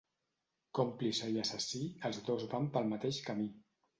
Còmplice i assassí, els dos van pel mateix camí.